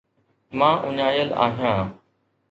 مان اڃايل آهيان